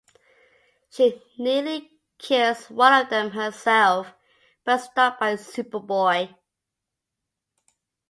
She nearly kills one of them herself, but is stopped by Superboy.